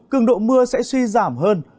cường độ mưa sẽ suy giảm hơn